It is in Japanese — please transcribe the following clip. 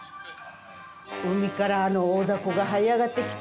海からあの大だこがはい上がってきた。